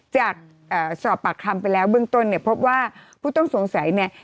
จากสอบปากคำไปแล้วเบื้องต้นเนี่ยพบว่าผู้ต้องสงสัยเนี่ย